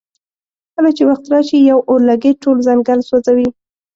کله چې وخت راشي یو اورلګیت ټول ځنګل سوځوي.